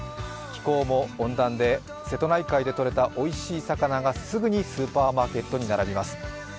気候も温暖で瀬戸内海でとれたおいしいお魚がすぐにスーパーマーケットに並びます。